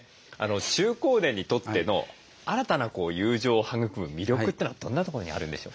中高年にとっての新たな友情を育む魅力というのはどんなところにあるんでしょう？